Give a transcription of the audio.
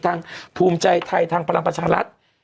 ภูมิใจไทยทางพลังประชารัฐ